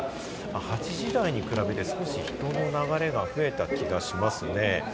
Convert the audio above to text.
８時台に比べて少し人の流れが増えた気がしますね。